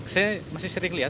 saya masih sering lihat